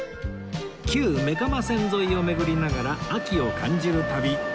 旧目蒲線沿いを巡りながら秋を感じる旅